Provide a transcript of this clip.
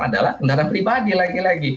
adalah kendaraan pribadi lagi lagi